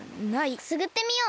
くすぐってみよう。